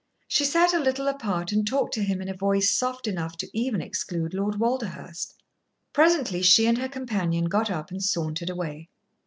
She sat a little apart and talked to him in a voice soft enough to even exclude Lord Walderhurst. Presently she and her companion got up and sauntered away.